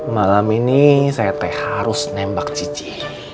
malam ini saya teh harus nembak cici